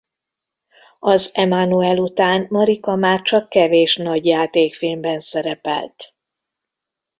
Az Emmanuelle után Marika már csak kevés nagy játékfilmben szerepelt.